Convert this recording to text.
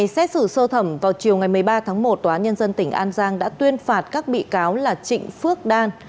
xét xử sơ thẩm vào chiều ngày một mươi ba tháng một tòa án nhân dân tỉnh an giang đã tuyên phạt các bị cáo là trịnh phước đan